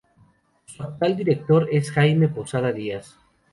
Su actual director es Jaime Posada Díaz.